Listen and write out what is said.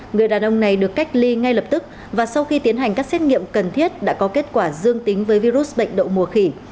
người đàn ông này được cách ly ngay lập tức và sau khi tiến hành các xét nghiệm cần thiết đã có kết quả dương tính với virus bệnh đậu mùa khỉ